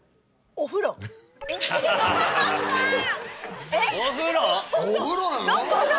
お風呂なの？